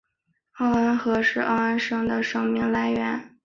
奥恩河是奥恩省的省名来源。